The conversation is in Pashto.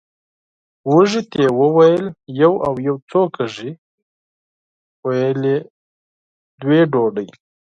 وږي ته یې وویل یو او یو څو کېږي ویل دوې ډوډۍ!